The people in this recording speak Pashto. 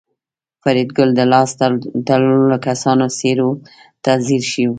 فریدګل د لاس تړلو کسانو څېرو ته ځیر شو